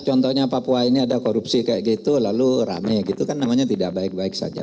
contohnya papua ini ada korupsi kayak gitu lalu rame gitu kan namanya tidak baik baik saja